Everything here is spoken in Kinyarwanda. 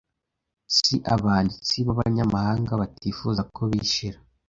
Si abanditsi b’abanyamahanga batifuza ko bishira